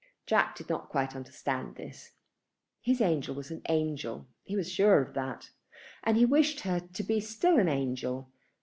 Jack did not quite understand this. His angel was an angel. He was sure of that. And he wished her to be still an angel.